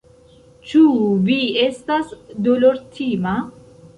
Ĉu vi estas dolortima?